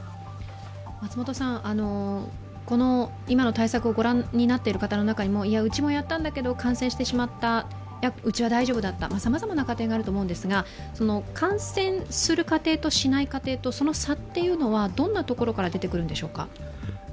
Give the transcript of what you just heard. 今の対策を御覧になっている方の中にも、うちもやったんだけど感染してしまった、うちは大丈夫だった、さまざまな家庭があると思うんですが感染する家庭としない家庭の差はどんなところから出てくるんでしょうか？